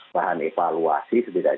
bahan evaluasi setidaknya